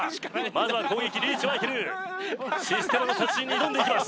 まずは攻撃リーチマイケルシステマの達人に挑んでいきます